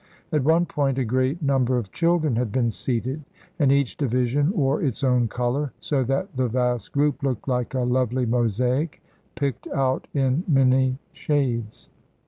At one point a great number of children had been seated, and each division wore its own color, so that the vast group looked hke a lovely mosaic, picked out in many shades.